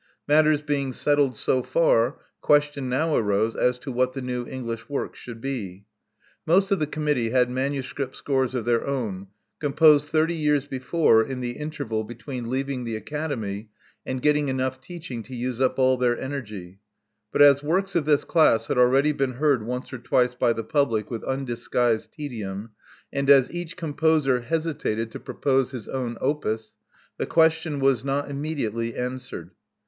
Matters being settled so far, question now arose as to what the new English work should be. Most of the Committee had manuscript scores of their own, com posed thirty years before in the interval between leav ing the academy and getting enough teaching to use up all their energy; but as works of this class had already been heard once or twice by the public with undisguised tedium ; and as each composer hesitated to propose his own opus, the question was not Love Among the Artists 167 immediately answered.